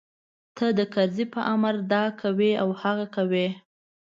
ته د کرزي په امر دا کوې او هغه کوې.